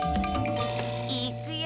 いっくよ！